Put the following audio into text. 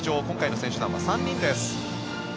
今回の選手団は３人です。